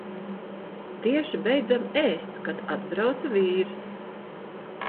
Tieši beidzam ēst, kad atbrauca vīrs.